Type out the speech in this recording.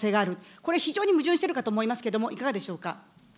これ、非常に矛盾しているかと思いますけれども、いかがでしょうか。